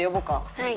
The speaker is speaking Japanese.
はい。